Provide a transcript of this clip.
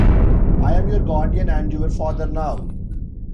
I am your guardian and your father now.